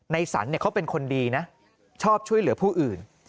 สันเขาเป็นคนดีนะชอบช่วยเหลือผู้อื่น